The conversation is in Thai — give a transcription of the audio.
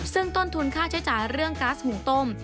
ซึ่งต้นทุนค่าใช้จ่ายเรื่องก๊าซหุงต้ม